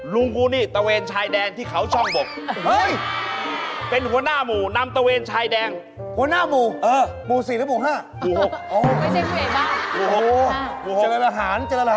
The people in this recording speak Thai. ลุงกูนี่เคยเป็นลัวของชาติ